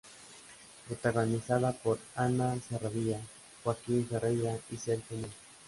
Protagonizada por Ana Serradilla, Joaquín Ferreira, y Sergio Mur.